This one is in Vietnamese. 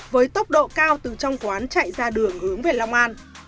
với tốc độ cao từ trong quán chạy ra đường hướng về long an